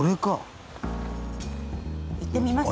行ってみます？